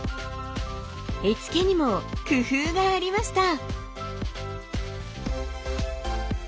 絵付けにも工夫がありました。